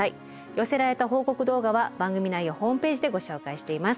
寄せられた報告動画は番組内やホームページでご紹介しています。